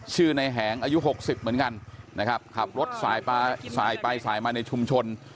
ชื่อในแหงอายุหกสิบเหมือนกันนะครับขับรถสายไปสายมาในชุมชน